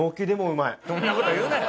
そんな事言うなよ！